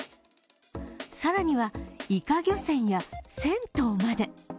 更には、いか漁船や銭湯まで。